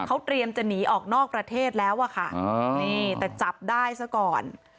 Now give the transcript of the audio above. เขาเตรียมจะหนีออกนอกประเทศแล้วอะค่ะนี่แต่จับได้ซะก่อน